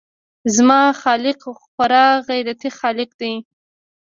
زموږ خلق خورا غيرتي خلق دي.